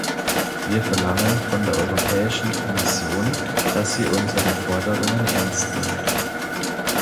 Wir verlangen von der Europäischen Kommission, dass sie unsere Forderungen ernst nimmt.